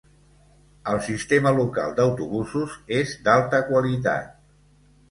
El sistema local d'autobusos és d'alta qualitat.